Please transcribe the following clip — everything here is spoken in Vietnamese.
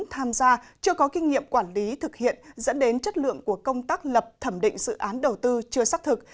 tham gia chưa có kinh nghiệm quản lý thực hiện dẫn đến chất lượng của công tác lập thẩm định dự án đầu tư chưa xác thực